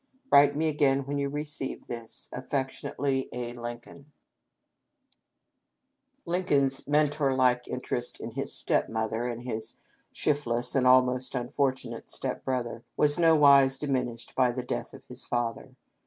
" Write me again when you receive this. ■■ Affectionately, " A. Lincoln." APPENDIX. 617 Lincoln's mentor like interest in his step mother and his shiftless and almost unfortunate step brother was in no wise diminished by the death of his father.